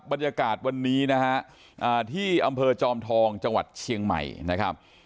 บรรยากาศวันนี้นะฮะที่อำเภอจอมทองจังหวัดเชียงใหม่นะครับ